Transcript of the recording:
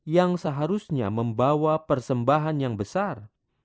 yang seharusnya membawa persembahan yang besar